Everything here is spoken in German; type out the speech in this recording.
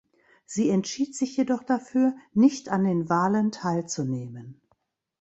Sie entschied sich jedoch dafür, nicht an den Wahlen teilzunehmen.